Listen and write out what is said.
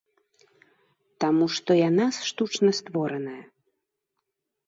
Таму што яна штучна створаная.